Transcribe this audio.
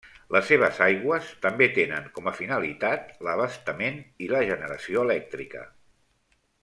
Les seves aigües també tenen com a finalitat l'abastament i la generació elèctrica.